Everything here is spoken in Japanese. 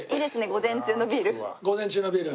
午前中のビール。